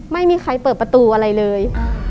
ไม่มีใครเปิดประตูอะไรเลย